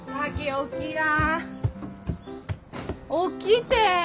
起きて。